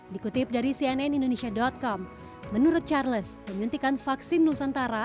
dikutip dari cnn indonesia com menurut charles penyuntikan vaksin nusantara